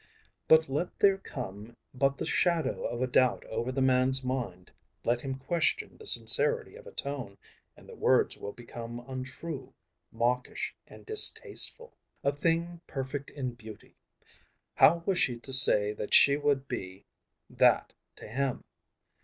But let there come but the shadow of a doubt over the man's mind, let him question the sincerity of a tone, and the words will become untrue, mawkish and distasteful. A thing perfect in beauty! How was she to say that she would be that to him?